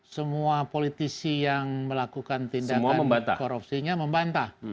semua politisi yang melakukan tindakan korupsinya membantah